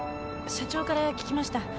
社長から聞きました。